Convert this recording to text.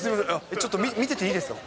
ちょっと見てていいですか？